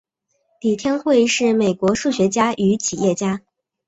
李天惠是美国数学家与企业家。